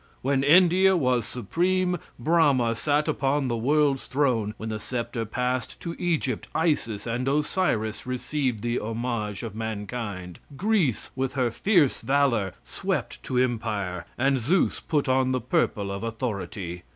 When India was supreme, Brahma sat upon the world's throne. When the scepter passed to Egypt, Isis and Osiris received the homage of mankind. Greece, with her fierce valor, swept to empire, and Zeus put on the purple of authority.